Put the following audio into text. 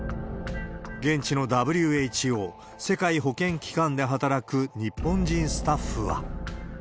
現地のＷＨＯ・世界保健機関で働く日本人スタッフは。